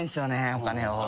お金を。